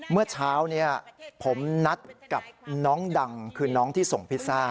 เมื่อเช้านี้ผมนัดกับน้องดังคือน้องที่ส่งพิซซ่า